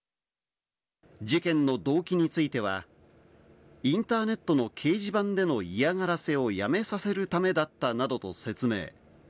事件の動機については、インターネットの掲示板での嫌がらせをやめさせるためだったなどと説明。